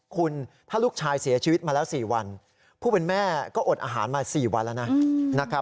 คุณถ้าลูกชายเสียชีวิตมาแล้ว๔วันผู้เป็นแม่ก็อดอาหารมา๔วันแล้วนะ